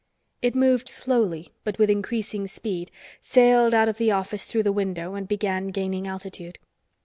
It moved slowly, but with increasing speed, sailed out of the office through the window and began gaining altitude.